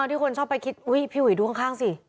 ที่คนชอบไปคิดอุ้ยพี่อุ๋ยดูข้างสิ